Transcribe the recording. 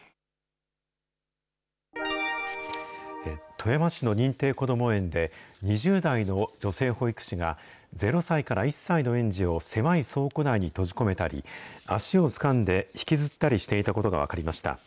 富山市の認定こども園で、２０代の女性保育士が、０歳から１歳の園児を狭い倉庫内に閉じ込めたり、足をつかんで引きずったりしていたことが分かりました。